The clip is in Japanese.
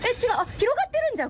広がってるんじゃん。